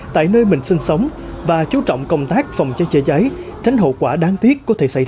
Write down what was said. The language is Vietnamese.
tại nơi mình sinh sống và chú trọng công tác phòng cháy chữa cháy tránh hậu quả đáng tiếc có thể xảy ra